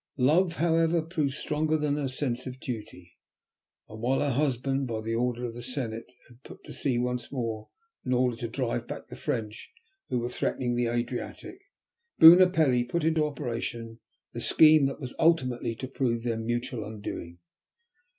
Love, however, proved stronger than her sense of duty, and while her husband, by order of the Senate, had put to sea once more in order to drive back the French, who were threatening the Adriatic, Bunopelli put into operation the scheme that was ultimately to prove their mutual undoing.